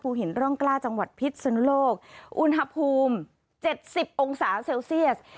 ภูเห็นร่องกล้าจังหวัดพิษสนโลกอุณหภูมิเจ็ดสิบองศาเซลเซลเซียส